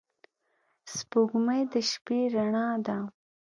• سپوږمۍ د شپې رڼا ده.